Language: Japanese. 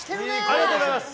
ありがとうございます！